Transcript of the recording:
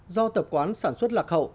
do tập quán sản xuất lạc hậu